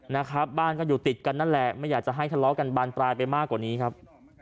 นะครับบ้านก็อยู่ติดกันนั่นแหละไม่อยากจะให้ทะเลาะกันบานปลายไปมากกว่านี้ครับ